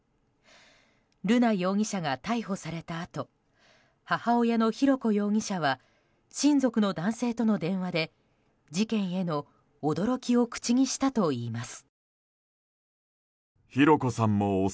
瑠奈容疑者が逮捕されたあと母親の浩子容疑者は親族の男性との電話で事件への驚きを口にしたといいます。